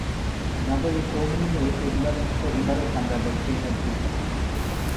নগরের চৌমুহনী মোড়ে প্রতিবারের মতো এবারও চামড়া ব্যবসায়ীরা ভিড় করেন।